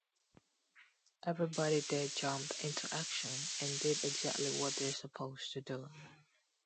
Everybody there jumped into action and did exactly what they’re supposed to do.